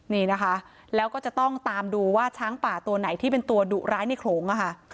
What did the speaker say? นี่นะคะแล้วก็จะต้องตามดูว่าช้างป่าตัวไหนที่เป็นตัวดุร้ายในโขลงค่ะ